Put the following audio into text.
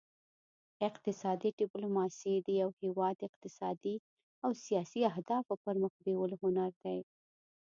اقتصادي ډیپلوماسي د یو هیواد اقتصادي او سیاسي اهدافو پرمخ بیولو هنر دی